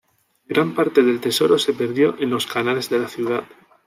Gran parte del tesoro se perdió en los canales de la ciudad.